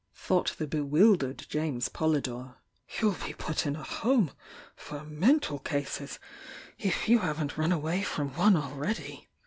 thought the bewil dered James Polydore. "You'll be put in a 'home' for mental cases if you haven't run away from one already!"